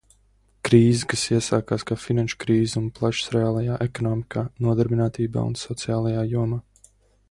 Krīze, kas iesākās kā finanšu krīze, nu plešas reālajā ekonomikā, nodarbinātībā un sociālajā jomā.